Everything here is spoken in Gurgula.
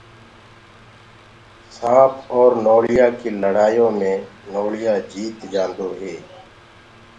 سآنٚپ اور نوݪِيآ ڪيٚ لڙآيو مي نوݪِيآ جيت جانٚدو هي